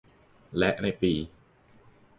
และในปี